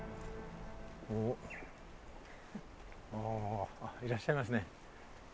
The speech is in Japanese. あいらっしゃいますね。